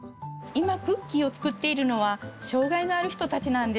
今クッキーを作っているのは障害のある人たちなんです。